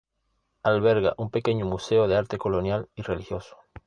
Alberga un pequeño museo de arte colonial y religioso.